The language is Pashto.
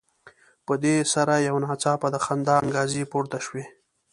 په دې سره یو ناڅاپه د خندا انګازې پورته شوې.